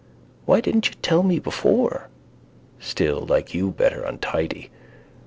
Why didn't you tell me before. Still like you better untidy.